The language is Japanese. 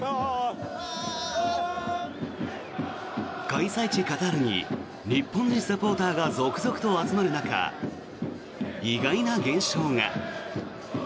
開催地カタールに日本人サポーターが続々と集まる中意外な現象が。